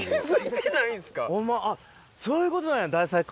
そういうことなんや。